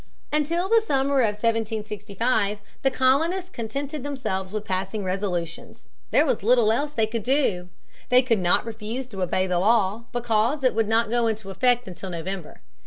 Until the summer of 1765 the colonists contented themselves with passing resolutions. There was little else that they could do. They could not refuse to obey the law because it would not go into effect until November.